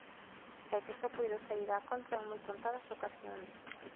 E que só puido saír á contra en moi contadas ocasións.